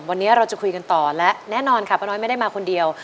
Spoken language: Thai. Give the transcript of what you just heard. วันนี้เราจะคุยกันต่อและแน่นอนค่ะป้าน้อยไม่ได้มาคนเดียว